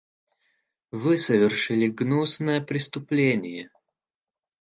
Вы совершили гнусное преступление.